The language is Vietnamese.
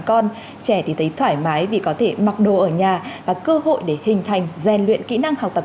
con trẻ thì thấy thoải mái vì có thể mặc đồ ở nhà là cơ hội để hình thành gian luyện kỹ năng học tập